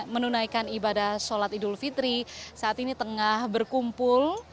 menunaikan ibadah sholat idul fitri saat ini tengah berkumpul